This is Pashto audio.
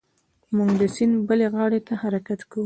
موږ د سیند بلې غاړې ته حرکت کاوه.